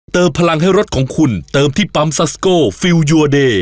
พลังให้รถของคุณเติมที่ปั๊มซัสโกฟิลยูอเดย์